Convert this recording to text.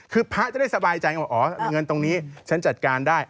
คือพระจะได้สบายใจว่าอ๋อเงินตรงนี้ฉันจัดการได้